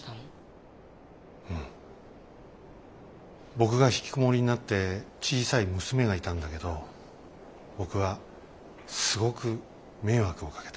僕がひきこもりになって小さい娘がいたんだけど僕はすごく迷惑をかけた。